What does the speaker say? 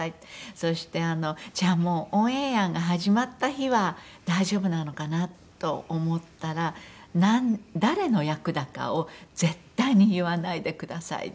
そしてじゃあもうオンエアが始まった日は大丈夫なのかな？と思ったら「誰の役だかを絶対に言わないでください」って。